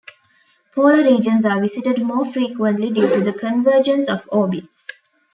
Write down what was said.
Polar regions are visited more frequently due to the convergence of orbits.